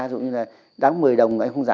dụ như là đáng một mươi đồng anh không giả